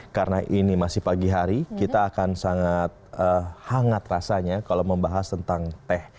karena ini masih pagi hari kita akan sangat hangat rasanya kalau membahas tentang teh